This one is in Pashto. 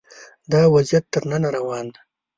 دا وضعیت تر ننه روان دی